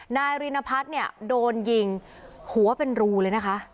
นายรินพัฒน์เนี่ยโดนยิงหัวเป็นรูเลยนะคะ